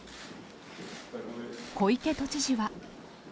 小池都知事は。